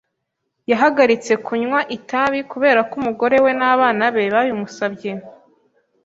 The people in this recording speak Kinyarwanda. Yahagaritse kunywa itabi kubera ko umugore we n’abana be babimusabye.